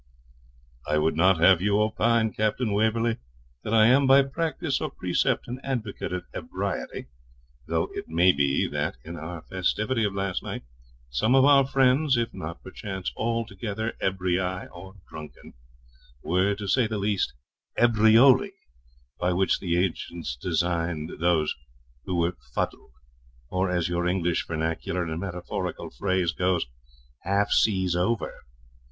'I would not have you opine, Captain Waverley, that I am by practice or precept an advocate of ebriety, though it may be that, in our festivity of last night, some of our friends, if not perchance altogether ebrii, or drunken, were, to say the least, ebrioli, by which the ancients designed those who were fuddled, or, as your English vernacular and metaphorical phrase goes, half seas over.